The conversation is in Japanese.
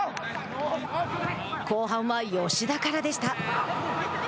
後半の吉田からでした。